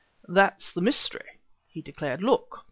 "That's the mystery," he declared. "Look!"